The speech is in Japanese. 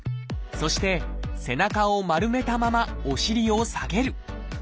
そして背中を丸めたままお尻を下げる。